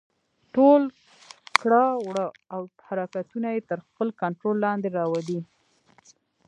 ټول کړه وړه او حرکتونه يې تر خپل کنټرول لاندې راولي.